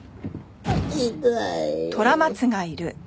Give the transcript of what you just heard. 痛い！